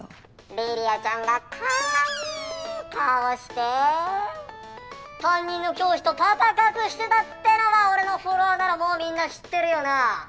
梨里杏ちゃんがかわいい顔して担任の教師とパパ活してたってのは俺のフォロワーならもうみんな知ってるよな！？